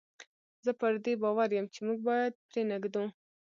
زه پر دې باور یم چې موږ باید پرې نه ږدو.